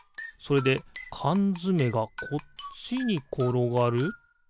それでかんづめがこっちにころがる？